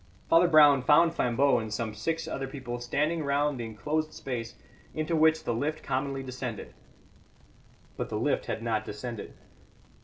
Father Brown found Flambeau and some six other people standing round the enclosed space into which the lift commonly descended. But the lift had not descended.